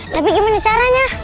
tapi gimana caranya